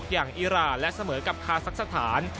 อย่างอิราและเสมอกับคาสักสถาน